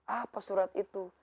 apa surat itu